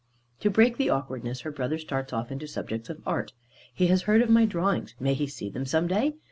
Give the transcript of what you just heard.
To break the awkwardness, her brother starts off into subjects of art. He has heard of my drawings, may he see them some day?